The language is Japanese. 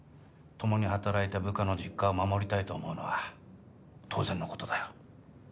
共に働いた部下の実家を守りたいと思うのは当然のことだよ